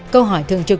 câu hỏi thường trực